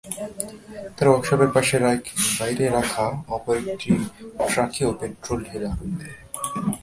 তারা ওয়ার্কশপের পাশে বাইরে রাখা অপর একটি ট্রাকেও পেট্রল ঢেলে আগুন দেয়।